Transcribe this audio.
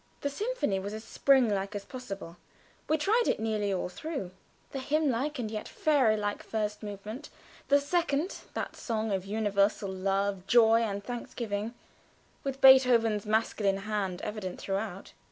The symphony was as spring like as possible. We tried it nearly all through; the hymn like and yet fairy like first movement; the second, that song of universal love, joy, and thanksgiving, with Beethoven's masculine hand evident throughout.